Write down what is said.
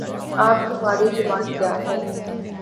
آپ کی مادری زبان کیا ہے؟